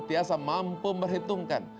tiasa mampu berhitungkan